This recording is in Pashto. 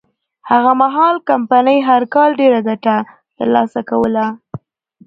هغه مهال کمپنۍ هر کال ډېره ګټه ترلاسه کوله.